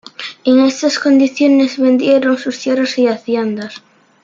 En esas condiciones vendieron sus tierras y haciendas.